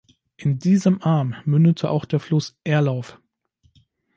In diesem Arm mündete auch der Fluss Erlauf.